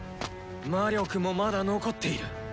魔力もまだ残っている。